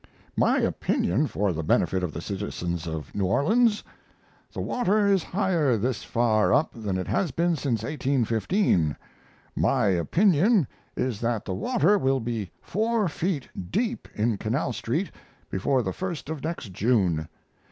My opinion for the benefit of the citizens of New Orleans: The water is higher this far up than it has been since 1815. My opinion is that the water will be four feet deep in Canal Street before the first of next June.